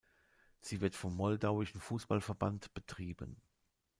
Sie wird vom moldauischen Fußballverband betrieben.